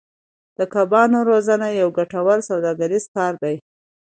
د کبانو روزنه یو ګټور سوداګریز کار دی.